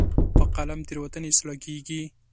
په قلم تیروتنې اصلاح کېږي.